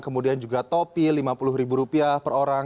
kemudian juga topi lima puluh ribu rupiah per orang